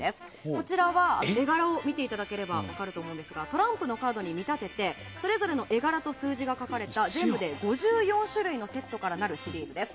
こちらは絵柄を見ていただければ分かると思うんですがトランプのカードに見立ててそれぞれの絵柄と数字が書かれた全部で５４種類のセットからなるシリーズです。